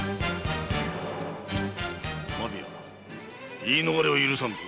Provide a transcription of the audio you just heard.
間宮言い逃れは許さんぞ。